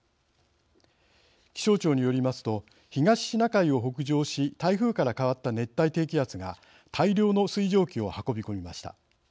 気象庁によりますと東シナ海を北上し台風から変わった熱帯低気圧が大量の水蒸気を運び込みました。